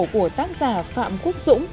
của tác giả phạm quốc dũng